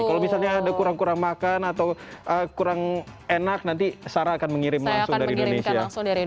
kalau misalnya ada kurang kurang makan atau kurang enak nanti sarah akan mengirim langsung dari indonesia